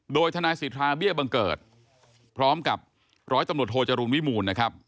โดยทนายสิทธาเบี้ยบังเกิดพร้อมกับร้อยตำรวจโทจรูลวิมูลนะครับ